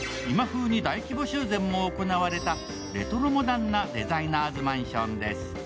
今風に大規模修繕も行われたレトロモダンなデザイナーズマンションです。